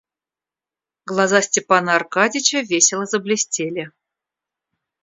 Глаза Степана Аркадьича весело заблестели.